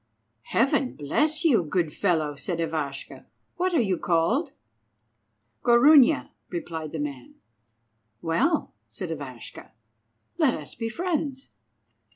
"Heaven bless you, good fellow!" said Ivashka; "what are you called?" "Gorunia," replied the man. "Well," said Ivashka, "let us be friends."